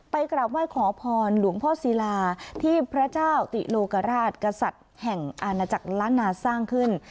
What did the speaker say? กราบไหว้ขอพรหลวงพ่อศิลาที่พระเจ้าติโลกราชกษัตริย์แห่งอาณาจักรล้านนาสร้างขึ้น